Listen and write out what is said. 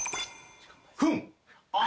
フン。